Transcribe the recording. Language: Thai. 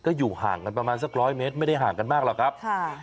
ก็อยู่ห่างกันประมาณสักร้อยเมตรไม่ได้ห่างกันมากหรอกครับ